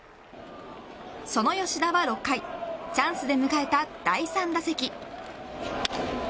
その吉田は６回チャンスで迎えた第３打席。